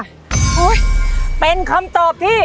โอ้โฮเป็นคำตอบที่